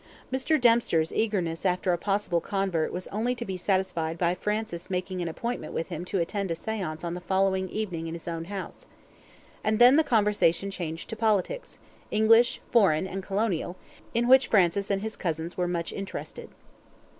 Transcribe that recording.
Mr. Dempster's eagerness after a possible convert was only to be satisfied by Francis making an appointment with him to attend a seance on the following evening in his own house. And then the conversation changed to politics English, foreign, and colonial in which Francis and his cousins were much interested.